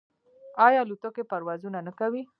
آیا الوتکې پروازونه نه کوي؟